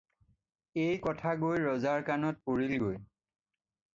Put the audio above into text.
এই কথা গৈ ৰজাৰ কাণত পৰিলগৈ।